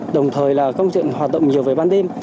đồng thời là các phương tiện hoạt động nhiều về ban đêm